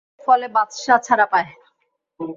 ফলে বাদশাহ ছাড়া পায়।